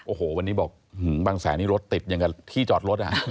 โอ้โหวันนี้บอกบางแสนนี่รถติดอย่างกับที่จอดรถอ่ะ